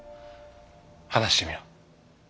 話してみろ。